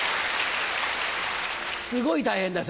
すごい大変だよ